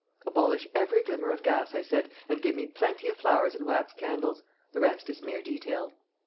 Abolish every glimmer of gas," I said, "and give me plenty of flowers and wax candles. The rest is mere detail."